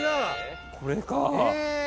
これか。